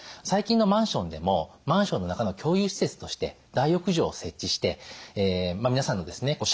最近のマンションでもマンションの中の共有施設として大浴場を設置して皆さんのですね